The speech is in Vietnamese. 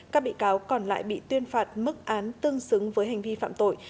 các bị cáo còn lại bị tuyên phạt mức án tương xứng với hành vi phạm tội